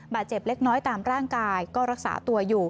เจ็บเล็กน้อยตามร่างกายก็รักษาตัวอยู่